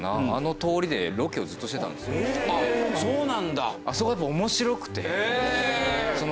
あっそうなんだ。